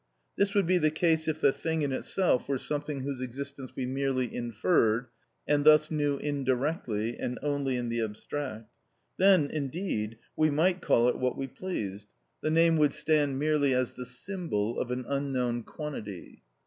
This would be the case if the thing in itself were something whose existence we merely inferred, and thus knew indirectly and only in the abstract. Then, indeed, we might call it what we pleased; the name would stand merely as the symbol of an unknown quantity.